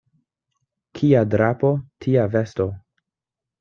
Kia drapo, tia vesto.